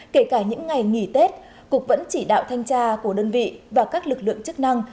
kể cả những ngày nghỉ tết cục vẫn chỉ đạo thanh tra của đơn vị và các lực lượng chức năng